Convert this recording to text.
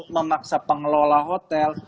memaksa pengelola hotel